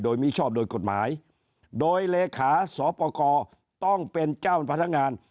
โดยมิชอบโดยกฎหมายโดยเลขาสปกรต้องเป็นเจ้าพนักงาน